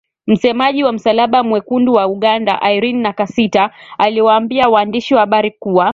Msemaji wa Msalaba Mwekundu wa Uganda Irene Nakasita aliwaambia waandishi wa habari kuwa